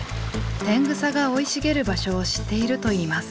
テングサが生い茂る場所を知っているといいます。